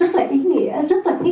rất là ý nghĩa rất là ý nghĩa